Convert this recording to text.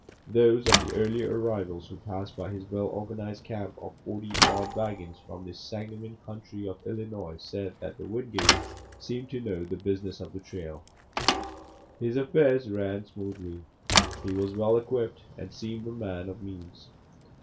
Those of the earlier arrivals who passed by his well organized camp of forty odd wagons from the Sangamon country of Illinois said that Wingate seemed to know the business of the trail. His affairs ran smoothly, he was well equipped and seemed a man of means.